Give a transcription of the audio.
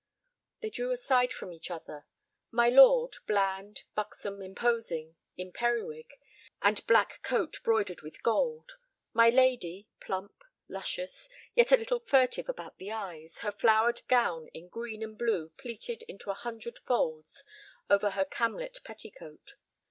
They drew aside from each other; my lord, bland, buxom, imposing, in periwig, and black coat broidered with gold; my lady, plump, luscious, yet a little furtive about the eyes, her flowered gown in green and blue pleated into a hundred folds over her camlet petticoat.